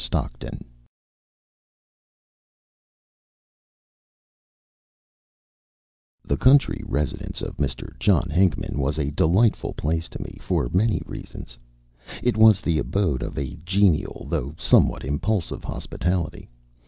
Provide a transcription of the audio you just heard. STOCKTON The country residence of Mr. John Hinckman was a delightful place to me, for many reasons. It was the abode of a genial, though somewhat impulsive, hospitality.